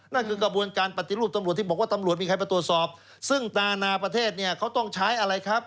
นั่นคือกระบวนการปฏิรูปตำรวจที่บอกว่าตำรวจมีใครมาตรวจสอบซึ่งตานาประเทศเนี่ยเขาต้องใช้อะไรครับ